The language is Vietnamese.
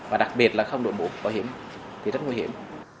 và đặc biệt là không đuổi buộc bảo hiểm thì rất nguy hiểm